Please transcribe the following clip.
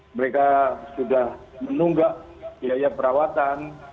mereka sudah menunggak biaya perawatan